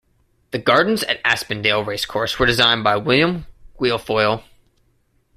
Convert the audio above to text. The gardens at Aspendale Racecourse were designed by William Guilfoyle.